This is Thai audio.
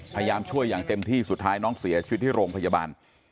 พยายามช่วยอย่างเต็มที่สุดท้ายน้องเสียชีวิตที่โรงพยาบาล